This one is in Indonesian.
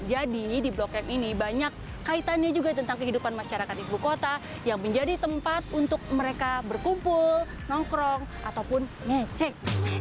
jadi di blok m ini banyak kaitannya juga tentang kehidupan masyarakat ibu kota yang menjadi tempat untuk mereka berkumpul nongkrong ataupun ngecek